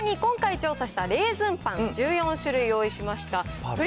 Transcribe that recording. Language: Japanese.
こちらに今回調査したレーズンパン、１４種類を用意しました。